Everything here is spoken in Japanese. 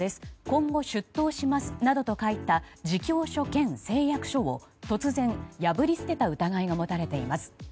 今後、出頭しますなどと書いた自供書兼誓約書を突然破り捨てた疑いが持たれています。